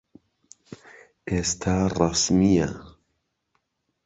ئێستا ڕەسمییە.